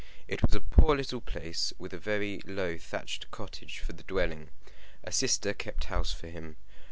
It was a poor little place, with a very low thatched cottage for the dwelling. A sister kept house for him.